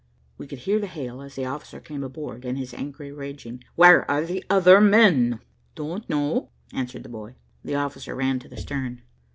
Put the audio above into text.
We could hear the hail as the officer came aboard, and his angry raging "Where are the other men?" "Don't know," answered the boy. The officer ran to the stern.